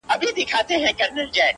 څه پروین د نیمي شپې څه سپین سبا دی,